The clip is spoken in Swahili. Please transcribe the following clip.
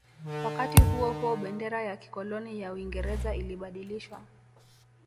Wakati huo huo bendera ya kikoloni ya Uingereza ilibadilishwa